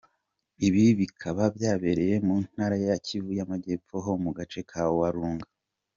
Ibi bikaba byabereye mu Ntara ya Kivu y’Amajyepfo ho mu gace ka Walungu.